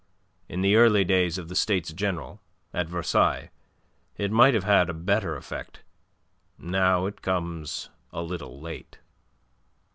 In the early days of the States General, at Versailles, it might have had a better effect. Now, it comes a little late."